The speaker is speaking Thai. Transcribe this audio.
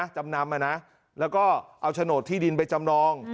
จำนำแล้วก็เอาโฉนดที่ดินไปจำนอง